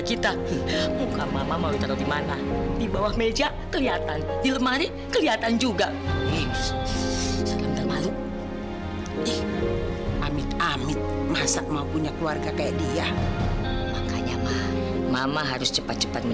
tapi enggak apa apa